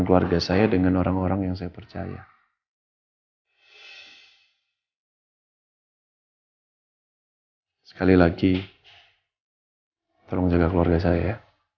keluarga saya dengan orang orang yang saya percaya sekali lagi tolong jaga keluarga saya